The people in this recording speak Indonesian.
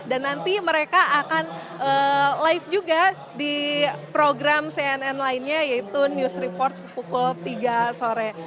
dan nanti mereka akan live juga di program cnn lainnya yaitu news report pukul tiga sore